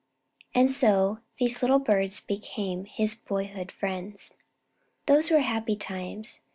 And so these little birds became His boyhood friends. Those were happy times.